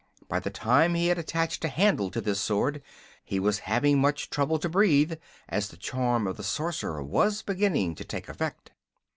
By the time he had attached a handle to this sword he was having much trouble to breathe, as the charm of the Sorcerer was beginning to take effect.